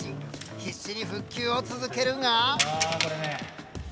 必死に復旧を続けるが。